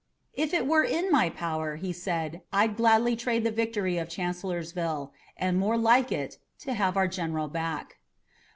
"If it were in my power," he said, "I'd gladly trade the victory of Chancellorsville, and more like it, to have our General back."